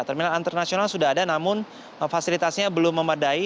terminal internasional sudah ada namun fasilitasnya belum memadai